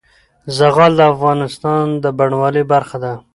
زغال د افغانستان د بڼوالۍ برخه ده.